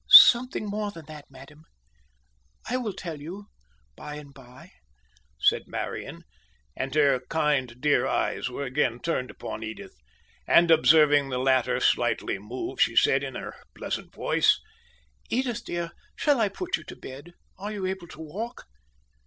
"Something more than that, madam I will tell you by and by," said Marian, and her kind, dear eyes were again turned upon Edith, and observing the latter slightly move, she said, in her pleasant voice: "Edith, dear, shall I put you to bed are you able to walk?"